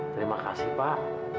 terima kasih pak